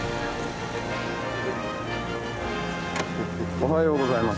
おはようございます。